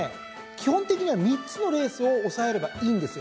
基本的には３つのレースを押さえればいいんですよ。